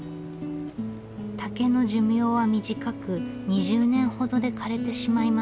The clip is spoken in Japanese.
竹の寿命は短く２０年ほどで枯れてしまいます。